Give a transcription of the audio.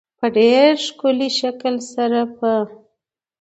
په ډېر ښه شکل سره په